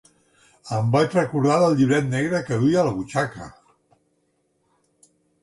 Em vaig recordar del llibret negre que duia a la butxaca!